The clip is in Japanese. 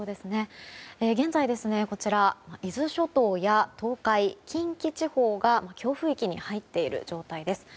現在、伊豆諸島や東海近畿地方が強風域に入っている状態です。